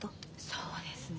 そうですねえ。